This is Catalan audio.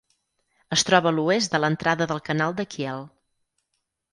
Es troba a l'oest de l'entrada del Canal de Kiel.